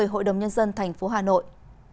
hội đồng nhân dân thành phố hà nội